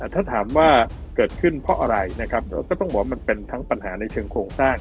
ถ้าถามว่าเกิดขึ้นเพราะอะไรนะครับก็ต้องบอกว่ามันเป็นทั้งปัญหาในเชิงโครงสร้าง